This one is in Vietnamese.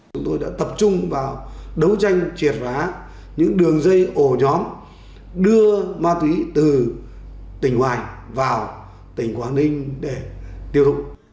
chúng tôi đã tập trung vào đấu tranh triệt phá những đường dây ổ nhóm đưa ma túy từ tỉnh ngoài vào tỉnh quảng ninh để tiêu thụ